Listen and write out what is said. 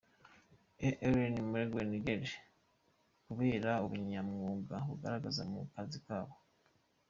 E Ellen Margrethe Loej kubera ubunyamwuga bagaragaza mu kazi kabo.